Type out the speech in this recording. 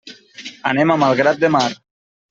Anem a Malgrat de Mar.